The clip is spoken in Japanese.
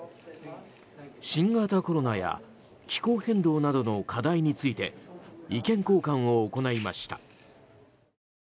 新型コロナや気候変動などの課題について意見交換を行いました。